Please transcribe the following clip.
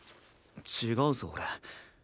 違うぞ俺。